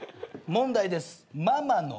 問題です。